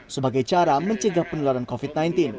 sebagai cara mencegah penularan covid sembilan belas